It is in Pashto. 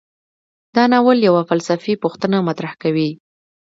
دا ناول یوه فلسفي پوښتنه مطرح کوي.